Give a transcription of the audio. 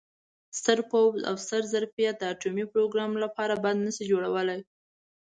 ستر پوځ او ستر ظرفیت د اټومي پروګرام لپاره بند نه شي جوړولای.